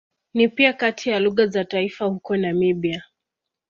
Ni pia kati ya lugha za taifa huko Namibia.